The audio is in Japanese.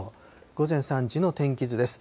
午前３時の天気図です。